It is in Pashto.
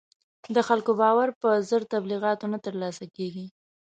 د خلکو باور په زر تبلیغاتو نه تر لاسه کېږي.